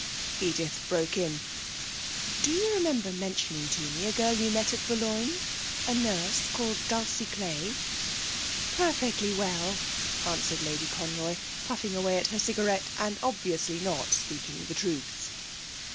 Edith broke in. 'Do you remember mentioning to me a girl you met at Boulogne a nurse called Dulcie Clay?' 'Perfectly well,' answered Lady Conroy, puffing away at her cigarette, and obviously not speaking the truth.